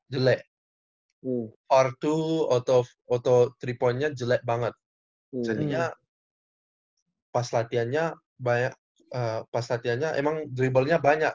jelek r dua atau tiga pointnya jelek banget jadinya pas latihannya emang dribble nya banyak